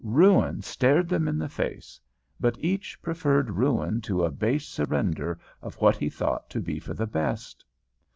Ruin stared them in the face, but each preferred ruin to a base surrender of what he thought to be for the best.